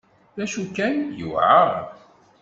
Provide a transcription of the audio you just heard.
D acu kan, yewεer.